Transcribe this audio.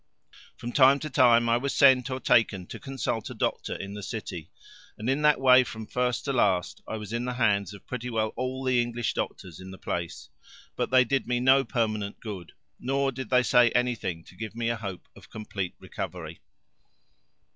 From time to time I was sent or taken to consult a doctor in the city, and in that way from first to last I was in the hands of pretty well all the English doctors in the place, but they did me no permanent good, nor did they say anything to give me a hope of complete recovery.